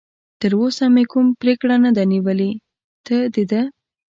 تراوسه مې کوم پرېکړه نه ده نیولې، ته د ده.